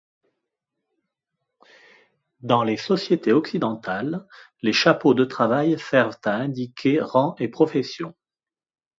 Dans les sociétés occidentales, les chapeaux de travail servent à indiquer rang et profession.